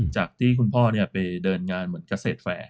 จากที่คุณพ่อไปเดินงานเหมือนเกษตรแฟร์